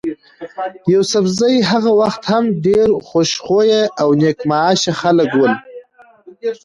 يوسفزي هغه وخت هم ډېر خوش خویه او نېک معاش خلک ول.